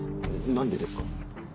何でですか？